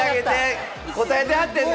答えてはってんで！